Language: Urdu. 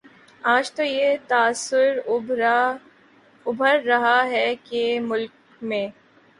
آج تو یہ تاثر ابھر رہا ہے کہ ملک میں